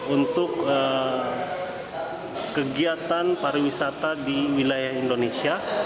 untuk kegiatan pariwisata di wilayah indonesia